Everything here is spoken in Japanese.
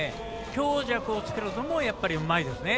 強弱をつけるのも、やっぱりうまいですね。